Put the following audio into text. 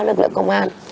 lực lượng công an